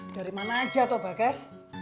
dari mana aja atau bagas